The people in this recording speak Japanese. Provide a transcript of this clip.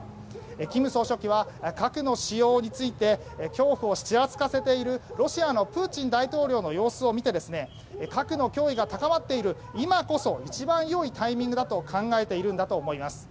金総書記は核の使用について恐怖をちらつかせているロシアのプーチン大統領の様子を見て核の脅威が高まっている今こそ一番良いタイミングだと考えているんだと思います。